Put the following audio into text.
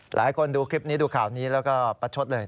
หลายคนดูคลิปนี้ดูข่าวนี้แล้วก็ประชดเลย